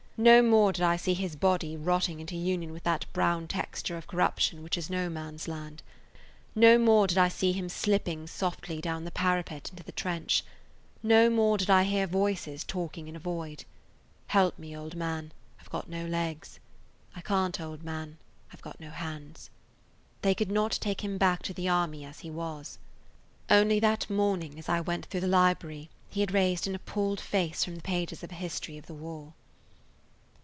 No more did I see his body rotting into union with that brown texture of corruption which is No Man's Land; no more did I see him slipping softly down the parapet into the [Page 143] trench; no more did I hear voices talking in a void: "Help me, old man; I 've got no legs–" "I can't, old man; I 've got no hands." They could not take him back to the army as he was. Only that morning as I went through the library he had raised an appalled face from the pages of a history of the war.